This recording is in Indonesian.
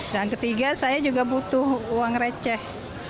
dan ketiga saya juga butuh uang receh